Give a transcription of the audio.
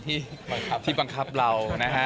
ที่บังคับเรา